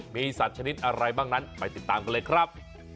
มีสัตว์ชนิดอะไรบ้างนั้นไปติดตามกันเลยครับ